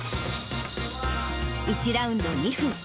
１ラウンド２分。